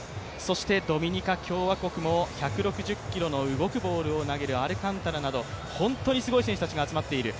ドミニカ共和国も１６０キロの動くボールを投げるアルカンタラなど本当にすごい選手たちが集まっている。